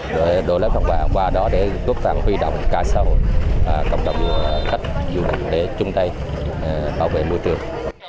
rồi đổi lấy phòng quà qua đó để cố gắng huy động ca sầu cộng đồng khách du lịch để chung tay bảo vệ môi trường